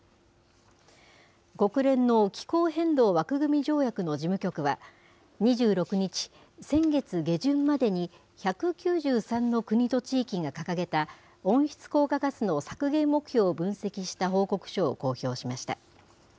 国連の気候変動枠組み条約の事務局は、２６日、先月下旬までに１９３の国と地域が掲げた、温室効果ガスの削減目標を分析した報告書を公表しました。